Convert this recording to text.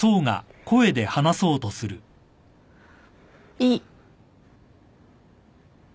いい。